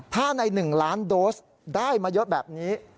ถ้าใน๑ล้านโดสได้มาเยอะแบบนี้